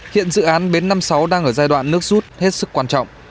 hiện dự án bến năm mươi sáu đang ở giai đoạn nước rút hết sức quan trọng